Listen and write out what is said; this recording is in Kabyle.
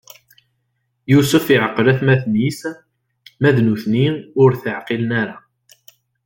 Yusef iɛqel atmaten-is, ma d nutni ur t-ɛqilen ara.